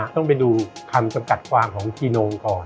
ต้องไปดูคำจำกัดความของชีนงก่อน